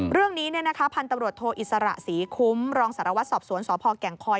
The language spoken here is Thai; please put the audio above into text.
เรื่องนี้พันธุ์ตำรวจโทอิสระศรีคุ้มรองสารวัตรสอบสวนสพแก่งคอย